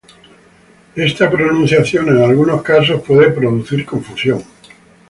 Esta pronunciación en algunos casos puede producir confusión.